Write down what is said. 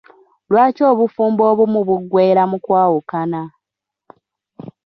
Lwaki obufumbo obumu buggwera mu kwawukana?